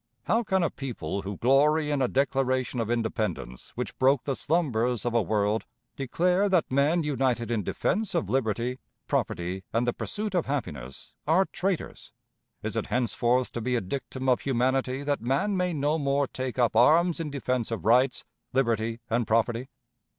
How can a people who glory in a Declaration of Independence which broke the slumbers of a world declare that men united in defense of liberty, property, and the pursuit of happiness are "traitors"? Is it henceforth to be a dictum of humanity that man may no more take up arms in defense of rights, liberty, and property?